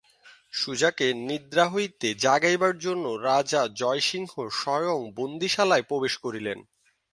সুজাকে নিদ্রা হইতে জাগাইবার জন্য রাজা জয়সিংহ স্বয়ং বন্দীশালায় প্রবেশ করিলেন।